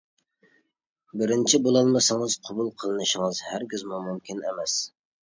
بىرىنچى بولالمىسىڭىز، قوبۇل قىلىنىشىڭىز ھەرگىزمۇ مۇمكىن ئەمەس.